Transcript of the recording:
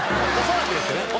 恐らくですよ。